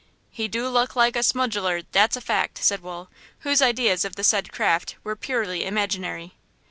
"He do look like a smudgeler, dat's a fact," said Wool whose ideas of the said craft were purely imaginary.